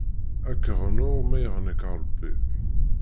Ad k-ɣnuɣ, ma iɣna-k Ṛebbi.